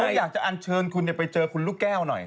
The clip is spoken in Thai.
อยากจะอันเชิญคุณไปเจอคุณลูกแก้วหน่อย